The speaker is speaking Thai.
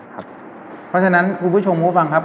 เพราะฉะนั้นคุณผู้ชมผู้ฟังครับ